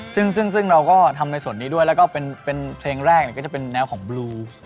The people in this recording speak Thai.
ซึ่งเราก็ทำในส่วนนี้ด้วยแล้วก็เป็นเพลงแรกก็จะเป็นแนวของบลู